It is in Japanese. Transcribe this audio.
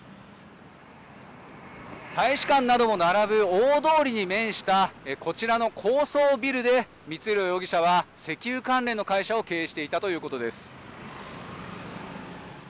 大使館なども並ぶ大通りに面したこちらの高層ビルで光弘容疑者は石油関連の会社を経営していたということです。